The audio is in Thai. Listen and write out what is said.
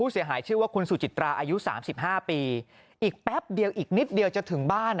สุจิตราอายุ๓๕ปีอีกแป๊บเดียวอีกนิดเดียวจะถึงบ้าน